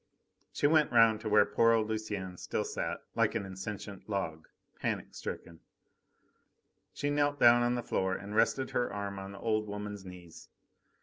She went round to where poor old Lucienne still sat, like an insentient log, panic stricken. She knelt down on the floor and rested her arm on the old woman's knees.